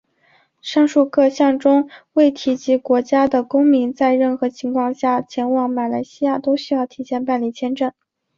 上述各项中未提及国家的公民在任何情况下前往马来西亚都需要提前办理签证。